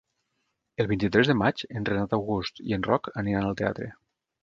El vint-i-tres de maig en Renat August i en Roc aniran al teatre.